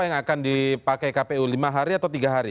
yang akan dipakai kpu lima hari atau tiga hari